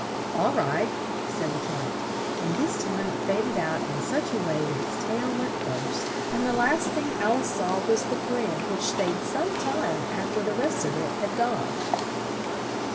"All right," said the Cat; and this time it faded out in such a way that its tail went first, and the last thing Al ice saw was the grin which stayed some time af ter the rest of it had gone.